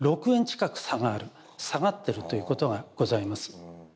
６円近く差がある下がってるということがございます。